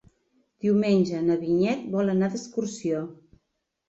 Diumenge na Vinyet vol anar d'excursió.